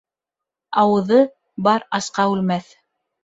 Ауыҙы бар асҡа үлмәҫ.